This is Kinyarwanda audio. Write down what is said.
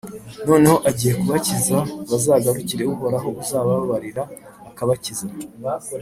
noneho agiye kubakiza: bazagarukire Uhoraho uzabababarira, akabakiza.